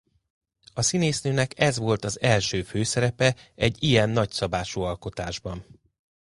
A színésznőnek ez volt az első főszerepe egy ilyen nagyszabású alkotásban.